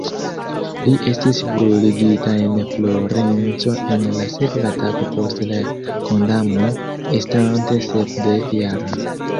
Li estis bruligita en Florenco en la sekva tago post la kondamno, estante sepdek-jara.